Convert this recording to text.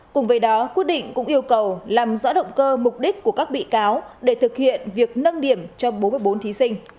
cùng với đó quyết định cũng yêu cầu làm rõ động cơ mục đích của các bị cáo để thực hiện việc nâng điểm cho bốn mươi bốn thí sinh